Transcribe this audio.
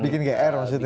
bikin gr maksudnya